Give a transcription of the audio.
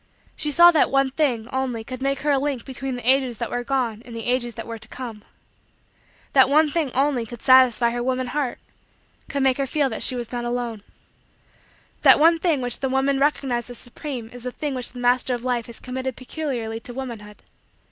She saw that one thing, only, could make her a link between the ages that were gone and the ages that were to come. That one thing, only, could satisfy her woman heart could make her feel that she was not alone. That one thing which the woman recognized as supreme is the thing which the Master of Life has committed peculiarly to womanhood.